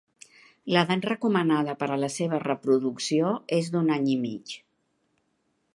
L'edat recomanada per a la seva reproducció és d'un any i mig.